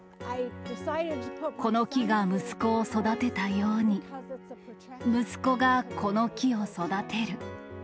この木が息子を育てたように、息子がこの木を育てる。